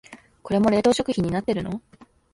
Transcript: これも冷凍食品になってるの？